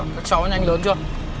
cháu nhanh lớn chưa